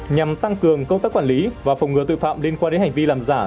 nhằm tăng cường công tác quản lý và phòng ngừa tội phạm liên quan đến hành vi làm giả